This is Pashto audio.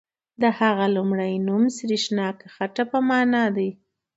د هغه لومړی نوم سریښناکه خټه په معنا دی.